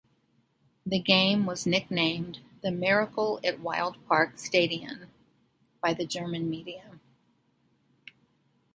The game was nicknamed the "Miracle at Wildparkstadion" by the German media.